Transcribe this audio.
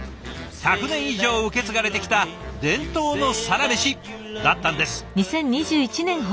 １００年以上受け継がれてきた伝統のサラメシだったんです。